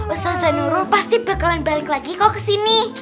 usah nurul pasti bakalan balik lagi kok kesini